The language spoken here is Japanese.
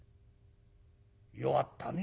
「弱ったね」。